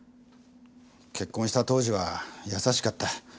結婚した当時は優しかった。